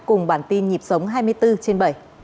cùng bản tin nhịp sống hai mươi bốn trên bảy